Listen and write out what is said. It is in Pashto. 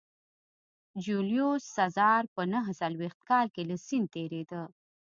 جیولیوس سزار په نهه څلوېښت کال کې له سیند تېرېده